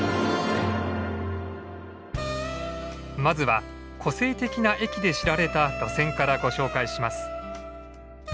まずは個性的な駅で知られた路線からご紹介します。